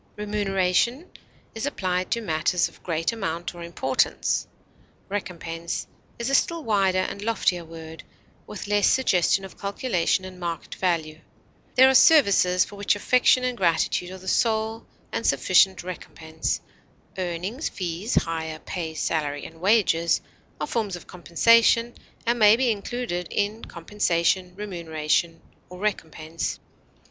Remuneration is applied to matters of great amount or importance. Recompense is a still wider and loftier word, with less suggestion of calculation and market value; there are services for which affection and gratitude are the sole and sufficient recompense; earnings, fees, hire, pay, salary, and wages are forms of compensation and may be included in compensation, remuneration, or recompense.